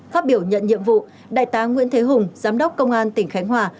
phát biểu nhận nhiệm vụ đại tá nguyễn thế hùng giám đốc công an tỉnh khánh hòa